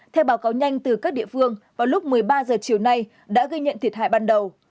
theo báo cáo nhanh từ các địa phương vào lúc một mươi ba h chiều nay đã gây nhận thiệt hại ban đầu